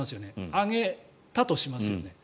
上げたとしますよね。